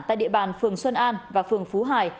tại địa bàn phường xuân an và phường phú hải